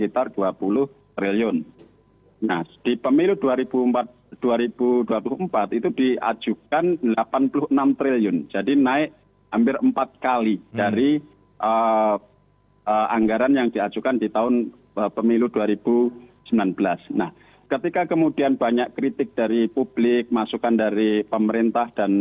tapi dijawab nanti mas ikit